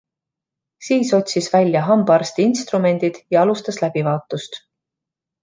Siis otsis välja hambaarsti instrumendid ja alustas läbivaatust.